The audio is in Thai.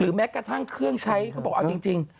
แม้กระทั่งเครื่องใช้เขาบอกเอาจริง